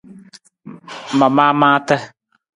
Ma maa maata.